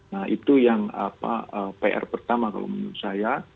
nah itu yang pr pertama kalau menurut saya